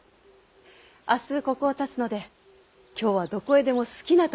明日ここをたつので今日はどこへでも好きな所へ行ってまいれと。